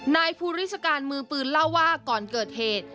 นายภูริชการมือปืนเล่าว่าก่อนเกิดเหตุ